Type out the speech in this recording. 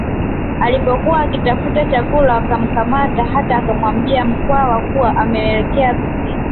Alipokuwa akitafuta chakula wakamkamata hata akawaambia Mkwawa kuwa ameelekea kusini